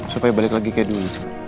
supaya balik lagi kayak dulu